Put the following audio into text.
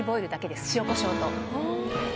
塩こしょうと。